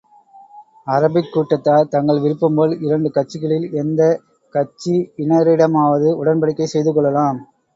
Arabic கூட்டத்தார் தங்கள் விருப்பம் போல், இரண்டு கட்சிகளில் எந்தக் கட்சியினரிடமாவது உடன்படிக்கை செய்து கொள்ளலாம்.